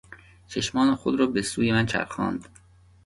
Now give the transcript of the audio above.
چشمان خود را به سوی من چرخاند.